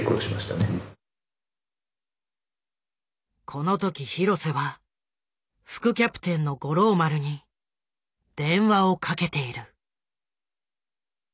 この時廣瀬は副キャプテンの五郎丸に電話をかけている。